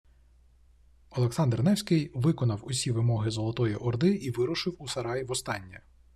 Олександр Невський виконав усі вимоги Золотої Орди і вирушив у Сарай востаннє